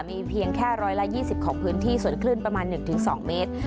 มีเพียงแค่๑๒๐ของพื้นที่ส่วนคลื่นประมาณ๑๒เมตร